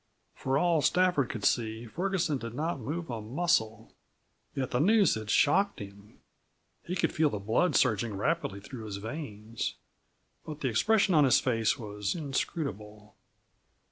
For all Stafford could see Ferguson did not move a muscle. Yet the news had shocked him; he could feel the blood surging rapidly through his veins. But the expression of his face was inscrutable.